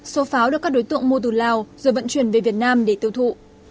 số pháo được các đối tượng mua từ lào rồi vận chuyển về việt nam để tiêu thụ